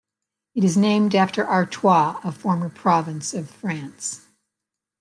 It is named after Artois, a former province of France.